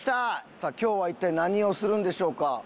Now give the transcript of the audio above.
さあ今日は一体何をするんでしょうか？